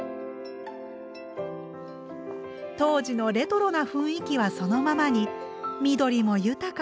当時のレトロな雰囲気はそのままに緑も豊かで気持ちいいですね。